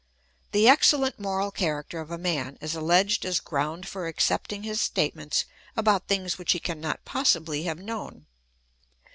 The excellent moral character of a man is alleged as ground for accepting his statements about things which he cannot possibly have known.